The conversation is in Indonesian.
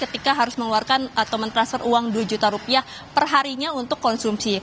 ketika harus mengeluarkan atau mentransfer uang dua juta rupiah perharinya untuk konsumsi